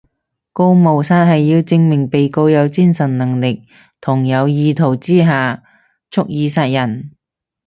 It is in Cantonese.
告謀殺係要證明被告有精神能力同有意圖之下蓄意殺人